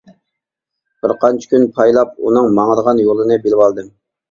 بىر قانچە كۈن پايلاپ ئۇنىڭ ماڭىدىغان يولىنى بىلىۋالدىم.